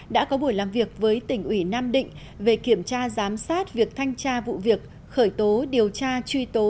đã có buổi làm việc với tỉnh ủy nam định về kiểm tra giám sát việc thanh tra vụ việc khởi tố điều tra truy tố